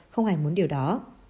không ai muốn điều đó